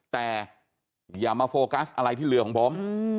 แต่อย่ามาโฟกัสอะไรที่เรือของผม